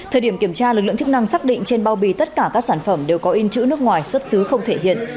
thời điểm kiểm tra lực lượng chức năng xác định trên bao bì tất cả các sản phẩm đều có in chữ nước ngoài xuất xứ không thể hiện